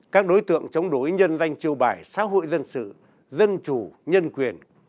các đối tượng chống đối nhân danh chiêu bài xã hội dân sự dân chủ nhân quyền